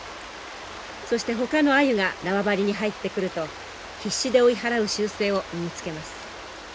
そしてほかのアユが縄張りに入ってくると必死で追い払う習性を身につけます。